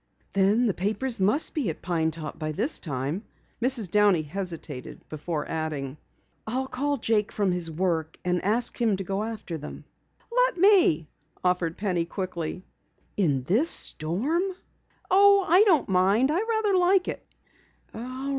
"Then the papers must be at Pine Top by this time." Mrs. Downey hesitated before adding: "I'll call Jake from his work and ask him to go after them." "Let me," offered Penny quickly. "In this storm?" "Oh, I don't mind. I rather like it."